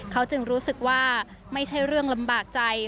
เขาจึงรู้สึกว่าไม่ใช่เรื่องลำบากใจ